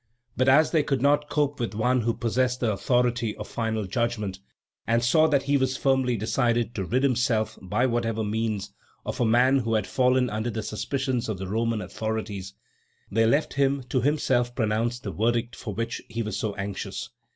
But as they could not cope with one who possessed the authority of final judgment, and saw that he was firmly decided to rid himself, by whatever means, of a man who had fallen under the suspicions of the Roman authorities, they left him to himself pronounce the verdict for which he was so anxious.